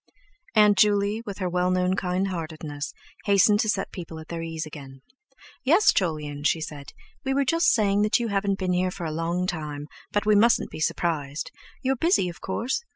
Aunt Juley, with her well known kindheartedness, hastened to set people at their ease again. "Yes, Jolyon," she said, "we were just saying that you haven't been here for a long time; but we mustn't be surprised. You're busy, of course?